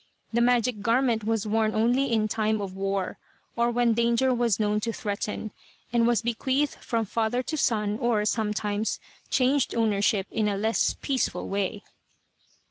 The magic garment was worn only in time of war, or when danger was known to threaten, and was bequeathed from father to son, or, sometimes, changed ownership in a less peaceful way.